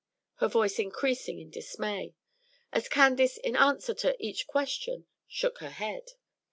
her voice increasing in dismay, as Candace in answer to each question shook her head.